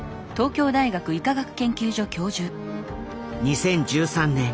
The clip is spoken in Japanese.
２０１３年